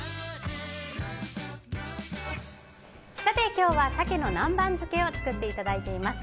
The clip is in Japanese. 今日は鮭の南蛮漬けを作っていただいています。